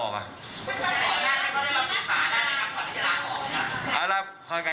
ค่ะ